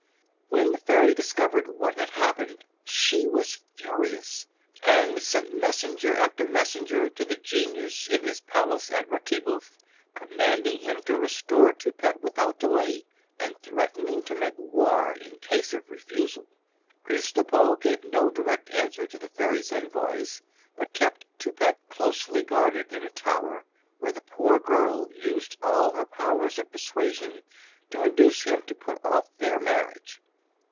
When the fairy discovered what had happened, she was furious, and sent messenger after messenger to the genius in his palace at Ratibouf, commanding him to restore Toupette without delay, and threatening to make war in case of refusal. Kristopo gave no direct answer to the fairy's envoys, but kept Toupette closely guarded in a tower, where the poor girl used all her powers of persuasion to induce him to put off their marriage.